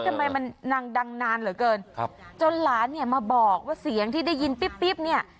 เอ๊ะทำไมมันนางดั่งนานเหลือเกินนั่นมาบอกว่าเสียงที่ได้ยินปิ๊บปิ๊บเนี่ย